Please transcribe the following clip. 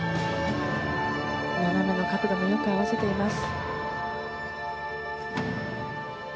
斜めの角度もよく合わせています。